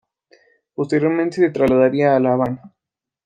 Posteriormente se trasladaría a La Habana.